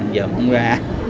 dợm không ra